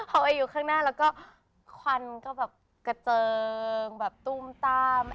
พออยู่ข้างหน้าแล้วก็ควันก็แบบกระเจิงแบบตุ้มตาม